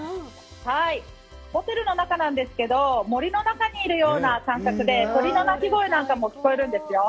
ホテルの中なんですけど、森の中にいるような感覚で、鳥の鳴き声なんかも聞こえるんですよ。